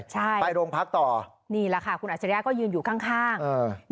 ใช่นี่แหละค่ะคุณอาชิริยะก็ยืนอยู่ข้างไปโรงพักต่อ